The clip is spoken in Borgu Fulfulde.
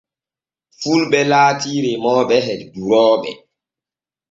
Fulɓe laati remooɓe e durooɓe.